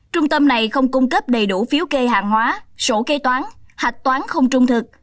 trung tâm này không cung cấp đầy đủ phiếu kê hàng hóa sổ kế toán hạch toán không trung thực